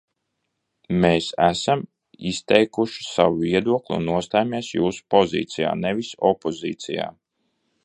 Mēs esam izteikuši savu viedokli un nostājamies jūsu pozīcijā, nevis opozīcijā.